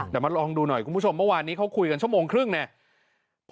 แต่มาลองดูหน่อยคุณผู้ชมเมื่อวานนี้เขาคุยกันชั่วโมงครึ่งเนี่ย